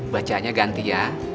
bacanya ganti ya